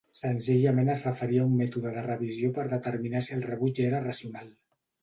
Senzillament es referia a un mètode de revisió per determinar si el rebuig era racional.